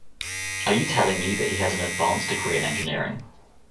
Are you telling me that he has an advanced degree in engineering?